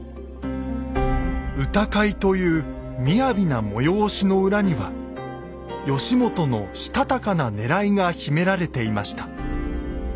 歌会というみやびな催しの裏には義元のしたたかなねらいが秘められていました。